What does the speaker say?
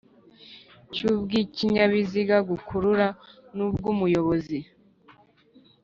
/ cy’ubwikinyabiziga gukurura nubwumuyobozi